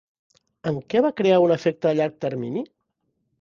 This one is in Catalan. En què va crear un efecte a llarg termini?